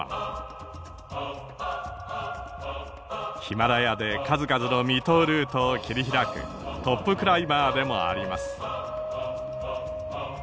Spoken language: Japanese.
ヒマラヤで数々の未踏ルートを切り開くトップクライマーでもあります。